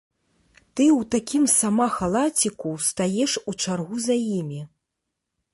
Ты ў такім сама халаціку ўстаеш у чаргу за імі.